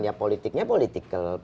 ya politiknya politik